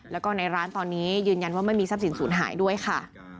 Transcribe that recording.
แล้วก็ในร้านตอนนี้ยืนยันว่าไม่มีทรัพย์สินศูนย์หายด้วยค่ะ